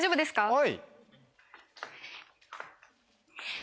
はい！